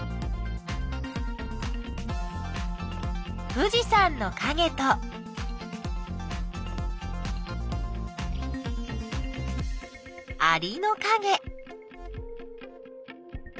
富士山のかげとアリのかげ。